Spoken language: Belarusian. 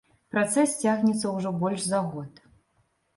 Працэс цягнецца ўжо больш за год.